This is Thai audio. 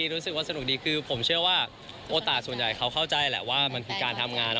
ก็ก็คือผมเชื่อว่าโอต่ามันส่วนใหญ่เขาเข้าใจแหละว่ามันเป็นการทำงาน